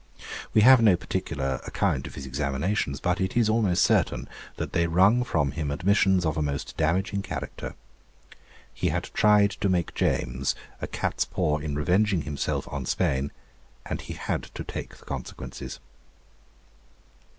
We have no particular account of his examinations, but it is almost certain that they wrung from him admissions of a most damaging character. He had tried to make James a catspaw in revenging himself on Spain, and he had to take the consequences.